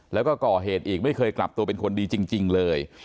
แล้วก็ก่อเหตุอีกไม่เคยกลับตัวเป็นคนดีจริงเลย